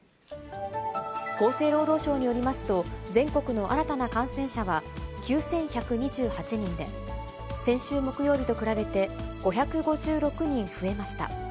厚生労働省によりますと、全国の新たな感染者は、９１２８人で、先週木曜日と比べて５５６人増えました。